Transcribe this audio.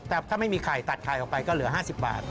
แต่ถ้าไม่มีไข่ตัดไข่ออกไปก็เหลือ๕๐บาท